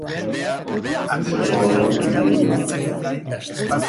Itsaso alboan bildu dira.